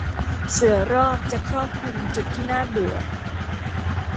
เสื่อรอบจะครอบคลุมจุดที่น่าเบื่อ